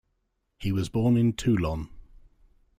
He was born in Toulon.